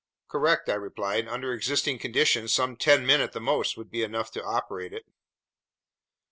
"Correct," I replied. "Under existing conditions some ten men at the most should be enough to operate it."